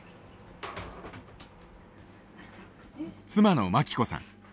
妻の真希子さん。